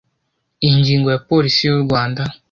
ingingo ya polisi y u rwanda